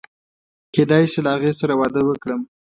کېدای شي له هغې سره واده وکړم.